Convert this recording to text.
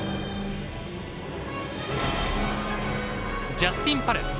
ジャスティンパレス。